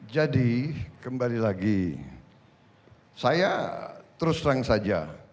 jadi kembali lagi saya terus terang saja